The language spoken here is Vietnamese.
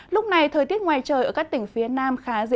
lúc này thời tiết ngoài trời ở các tỉnh phía nam bộ và tây nguyên